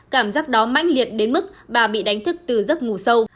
cảm giác đó mãnh liệt đến mức bà bị đánh thức từ giấc ngủ sâu